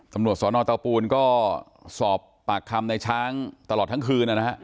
สำหรับสถานอตาปูนก็สอบปากคำในช้างตลอดทั้งคืนน่ะนะครับ